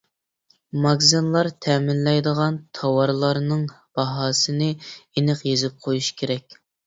ماگىزىنلار تەمىنلەيدىغان تاۋارلارنىڭ باھاسىنى ئېنىق يېزىپ قويۇشى كېرەك.